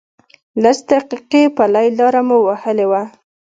لس دقیقې پلی لاره مو وهلې وه.